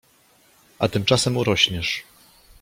A tymczasem urośniesz.